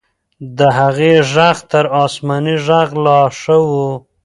د هغې ږغ تر آسماني ږغ لا ښه و.